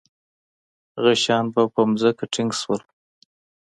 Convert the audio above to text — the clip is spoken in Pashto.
هغه شیان به په ځمکه ټینګ شول.